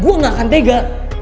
gue gak akan tega